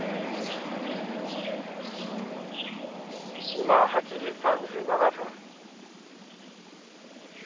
「今８時３７分」